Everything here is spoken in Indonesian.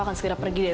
dan buat lu ya